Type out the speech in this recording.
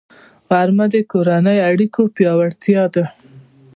غرمه د کورنیو اړیکو پیاوړتیا ده